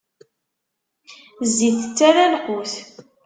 Zzit tettara lqut.